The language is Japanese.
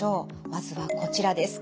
まずはこちらです。